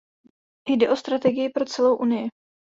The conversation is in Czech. Jde o strategii pro celou Unii.